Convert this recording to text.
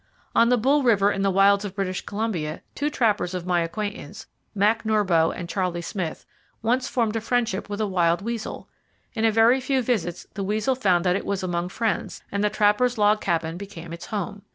On the Bull River in the wilds of British Columbia two trappers of my acquaintance, Mack Norboe and Charlie Smith, once formed a friendship with a wild weasel. In a very few visits, the weasel found that it was among friends, and the trappers' log cabin became its home.